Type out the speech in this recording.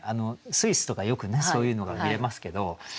スイスとかよくねそういうのが見れますけど